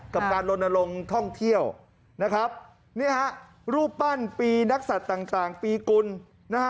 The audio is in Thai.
กับการลนลงท่องเที่ยวนะครับเนี่ยฮะรูปปั้นปีนักศัตริย์ต่างปีกุลนะฮะ